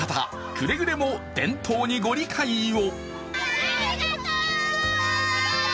くれぐれも伝統にご理解を。